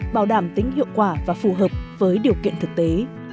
bảo đảm tính hiệu quả và phù hợp với điều kiện thực tế